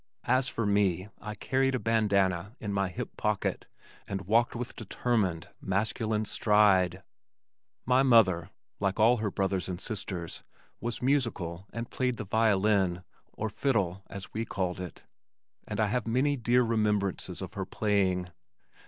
As for me I carried a bandanna in my hip pocket and walked with determined masculine stride. My mother, like all her brothers and sisters, was musical and played the violin or fiddle, as we called it, and I have many dear remembrances of her playing.